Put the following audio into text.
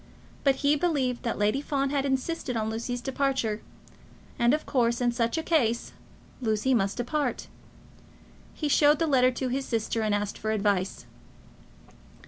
But he believed that Lady Fawn had insisted on Lucy's departure; and of course, in such a case, Lucy must depart. He showed the letter to his sister, and asked for advice.